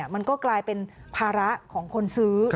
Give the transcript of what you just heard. มันก็กลายเป็นภาระของคนซื้อ